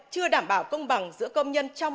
chưa đảm bảo công bằng giữa công nhân trong